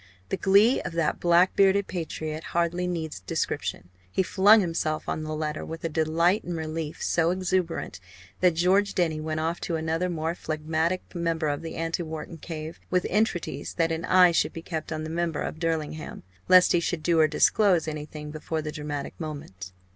The glee of that black bearded patriot hardly needs description. He flung himself on the letter with a delight and relief so exuberant that George Denny went off to another more phlegmatic member of the anti Wharton "cave," with entreaties that an eye should be kept on the member for Derlingham, lest he should do or disclose anything before the dramatic moment.